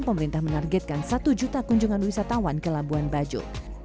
pemerintah menargetkan satu juta kunjungan wisatawan ke labuan bajo